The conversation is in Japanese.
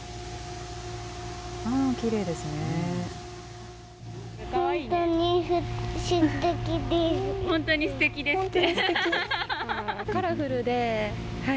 きれいですね。